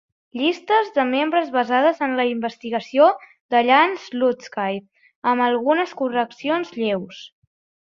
Llistes de membres basades en la investigació d'Allan Slutsky, amb algunes correccions lleus.